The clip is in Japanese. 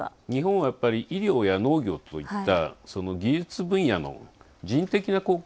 日本は、医療や農業といった技術分野の人的な貢献。